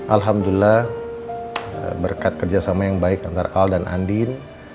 alhamdulillah berkat kerjasama yang baik antara al dan andin